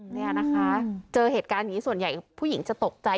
นี่นะคะเจอเหตุการณ์อย่างนี้ส่วนใหญ่ผู้หญิงจะตกใจ